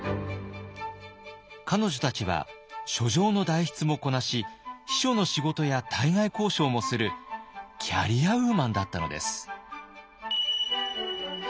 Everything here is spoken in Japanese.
彼女たちは書状の代筆もこなし秘書の仕事や対外交渉もするキャリアウーマンだったのです。